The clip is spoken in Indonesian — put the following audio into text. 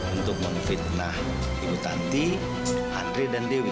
untuk memfitnah ibu tanti andre dan dewi